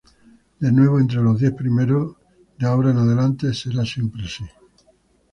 De nuevo entre los diez primeros, de ahora en adelante será siempre así.